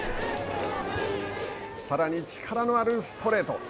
さらに力のあるストレート。